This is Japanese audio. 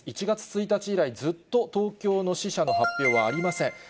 １月１日以来、ずっと東京の死者の発表はありません。